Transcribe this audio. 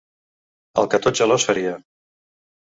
El que tot gelós faria.